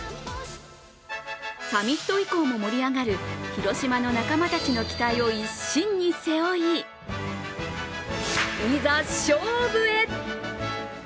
サミット以降も盛り上がる広島の仲間たちの期待を一身に背負い、いざ勝負へ。